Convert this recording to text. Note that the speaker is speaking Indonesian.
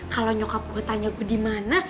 kalau nyokap gue tanya gue di mana